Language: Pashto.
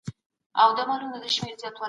اورپکي او ورانکاران د نظم خلاف عمل کوي.